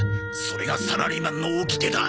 それがサラリーマンの掟だ